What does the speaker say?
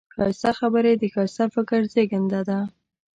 ښایسته خبرې د ښایسته فکر زېږنده ده